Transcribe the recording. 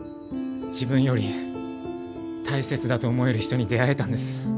自分より大切だと思える人に出会えたんです。